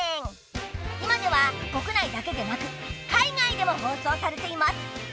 いまではこくないだけでなく海外でも放送されています。